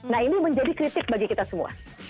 nah ini menjadi kritik bagi kita semua